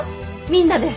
みんなで。